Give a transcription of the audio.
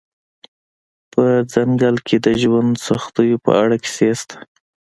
په ځنګل کې د ژوند سختیو په اړه کیسې شته